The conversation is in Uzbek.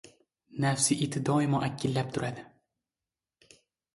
Nafs iti doimo akillab turadi.